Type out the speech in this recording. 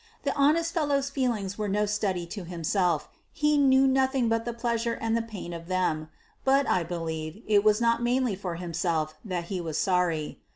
The honest fellow's feelings were no study to himself; he knew nothing but the pleasure and the pain of them; but, I believe it was not mainly for himself that he was sorry.